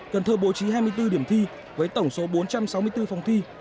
cần thơ bố trí hai mươi bốn điểm thi với tổng số bốn trăm sáu mươi bốn phòng thi